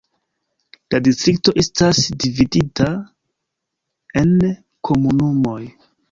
La distrikto estas dividita en komunumoj.